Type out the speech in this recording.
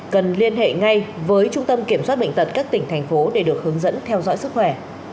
cần liên hệ ngay với trung tâm kiểm soát bệnh tật các tỉnh thành phố để được hướng dẫn theo dõi sức khỏe